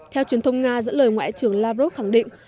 theo truyền thông nga dẫn lời ngoại trưởng lavrov khẳng định